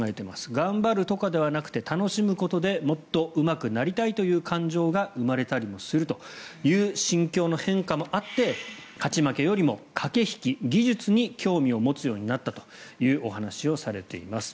頑張るとかではなく楽しむことでもっとうまくなりたいという感情が生まれたりもするという心境の変化もあって勝ち負けよりも駆け引き、技術に興味を持つようになったというお話をされています。